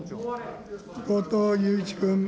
後藤祐一君。